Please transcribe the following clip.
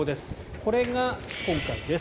これが今回です。